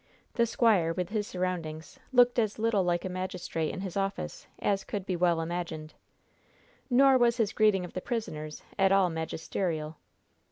The squire, with his surroundings, looked as little like a magistrate in his office as could be well imagined. Nor was his greeting of the prisoners at all magisterial.